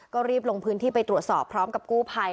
ก็รีบลงพื้นที่ไปตรวจสอบพร้อมกับกู้ภัย